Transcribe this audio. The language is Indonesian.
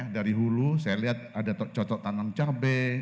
dari hulu saya lihat ada cocok tanam cabai